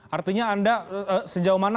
artinya anda sejauh mana